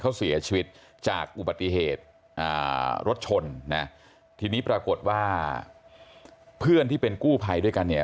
เขาเสียชีวิตจากอุบัติเหตุรถชนนะทีนี้ปรากฏว่าเพื่อนที่เป็นกู้ภัยด้วยกันเนี่ย